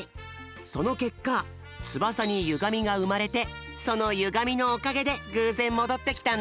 そのけっかつばさにゆがみがうまれてそのゆがみのおかげでぐうぜんもどってきたんだって。